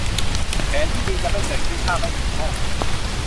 แผนที่ดีจะไม่เกิดขึ้นถ้าไม่มีโชค